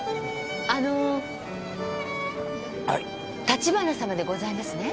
立花様でございますね？